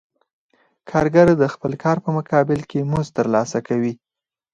کارګر د خپل کار په مقابل کې مزد ترلاسه کوي